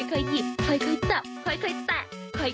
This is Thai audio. เคยหยิบค่อยจับค่อยแตะ